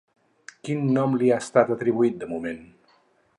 Quin nom li ha estat atribuït de moment?